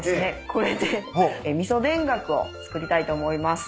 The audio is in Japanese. これで味噌田楽を作りたいと思います。